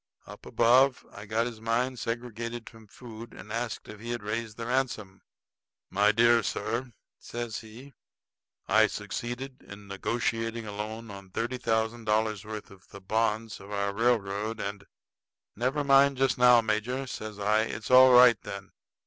Up above I got his mind segregated from food and asked if he had raised the ransom. "My dear sir," says he, "I succeeded in negotiating a loan on thirty thousand dollars' worth of the bonds of our railroad, and " "Never mind just now, major," says I. "It's all right, then.